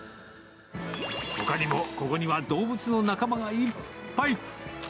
ほかにも、ここには動物の仲間がいっぱい。